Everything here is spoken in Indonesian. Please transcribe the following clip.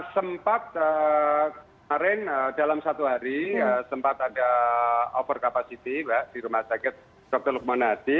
sempat kemarin dalam satu hari sempat ada over capacity di rumah sakit dr lukman hadi